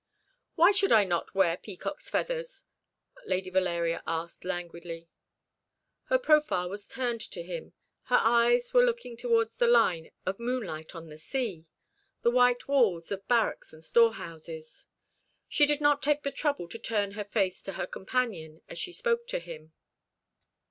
"Why should I not wear peacocks' feathers?" Lady Valeria asked languidly. Her profile was turned to him, her eyes were looking towards the line of moonlight on the sea, the white walls of barracks and storehouses. She did not take the trouble to turn her face to her companion as she spoke to him.